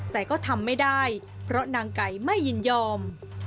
แต่ก็ทำไม่ได้เพราะนางไก่ไม่ยินยอม